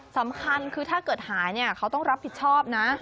สำคัญคือถ้าเกิดหายเนี่ยเขาต้องรับผิดชอบนะ